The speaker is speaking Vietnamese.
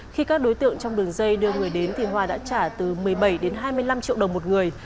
khi các đối tượng trong đường dây đưa người đến thì hòa đã trả từ một mươi bảy đến hai mươi năm triệu đồng một người